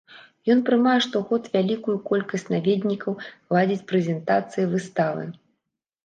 Ён прымае штогод вялікую колькасць наведнікаў, ладзіць прэзентацыі, выставы.